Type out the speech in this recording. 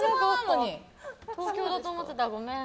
東京だと思ってた、ごめん。